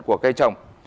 của cây trồng